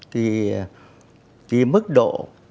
cái mức độ